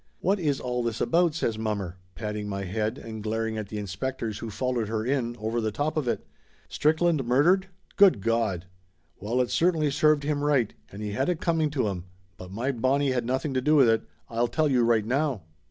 "What is all this about ?" says mommer, patting my head and glaring at the inspectors who followed her in, over the top of it. "Strickland murdered? Good Gawd ! Well, it certainly served him right and he had it coming to him, but my Bonnie had nothing to do with it, I'll tell you right now!"